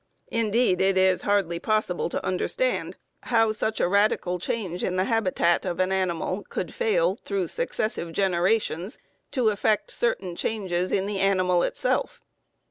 Indeed, it is hardly possible to understand how such a radical change in the habitat of an animal could fail, through successive generations, to effect certain changes in the animal itself.